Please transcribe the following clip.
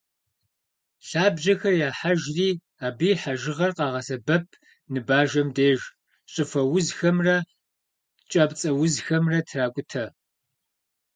Лъабжьэхэр яхьэжри, абы и хьэжыгъэр къагъэсэбэп ныбажэм деж, щӏыфэ узхэмрэ кӏапцӏэузхэмрэ тракӏутэ.